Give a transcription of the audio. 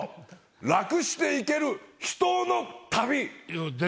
「楽して行ける秘湯の旅」！